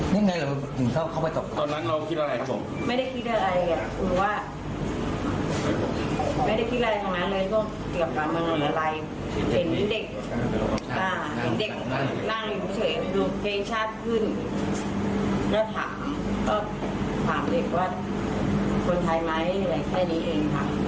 ว่าไม่ได้คิดอะไรของนั้นเลยว่าเกี่ยวกับการบังเอิญอะไรเห็นเด็กอ่าเด็กน่าเป็นผู้เศรษฐ์ดูเคชาติขึ้นแล้วถามก็ถามเรียกว่าคนไทยมาให้เหนื่อยแค่นี้เองค่ะ